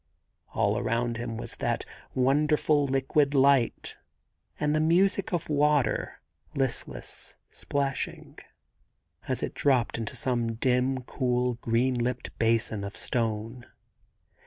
All around him was that wonderful liquid light, and the music of water, listless, plashing, as it dropped into some dim, cool, green lipped basin of stone.